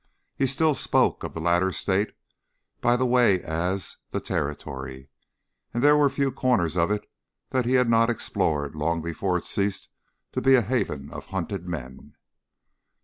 He still spoke of the latter state, by the way, as "the Territory," and there were few corners of it that he had not explored long before it ceased to be a haven of hunted men.